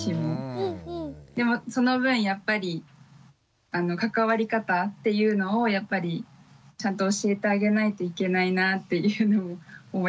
でもその分やっぱり関わり方っていうのをやっぱりちゃんと教えてあげないといけないなっていうのも思いました。